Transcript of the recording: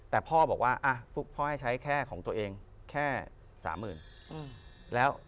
แต่พ่อบอกว่าอ่าพ่อให้ใช้แค่ของตัวเองแค่๓หมื่น